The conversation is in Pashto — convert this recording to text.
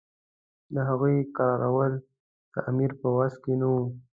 د هغوی کرارول د امیر په وس نه وو.